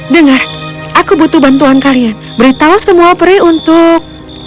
dengar aku butuh bantuan kalian beritahu semua peri untuk